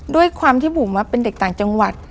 ด้วยความที่บุ๋มเป็นเด็กต่างจังหวัด